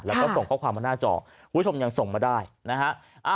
แล้วก็ส่งข้อความมาหน้าจอคุณผู้ชมยังส่งมาได้นะฮะ